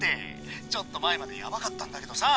ちょっと前までヤバかったんだけどさ